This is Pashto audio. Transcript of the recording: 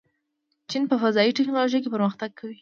چین په فضايي تکنالوژۍ کې پرمختګ کوي.